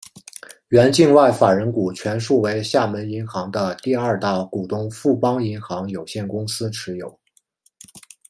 原境外法人股全数为厦门银行的第二大股东富邦银行有限公司持有。